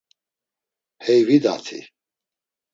Hey vidati?